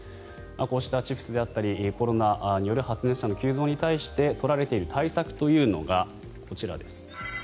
こうしたチフスであったりコロナによる発熱者の急増に対して取られている対策というのがこちらです。